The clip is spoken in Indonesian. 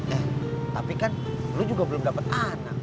eh tapi kan lo juga belum dapet anak